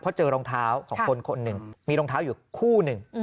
เพราะเจอรองเท้าของคนคนหนึ่งมีรองเท้าอยู่คู่หนึ่ง